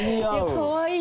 かわいい！